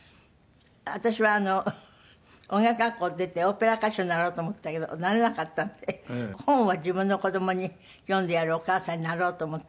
私は音楽学校を出てオペラ歌手になろうと思ったけどなれなかったので本を自分の子供に読んでやるお母さんになろうと思って。